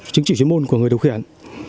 chứng chỉ chuyên môn của người điều khiển